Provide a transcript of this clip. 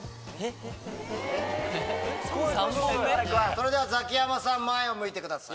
それではザキヤマさん前を向いてください。